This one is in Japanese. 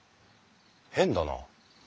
変だな。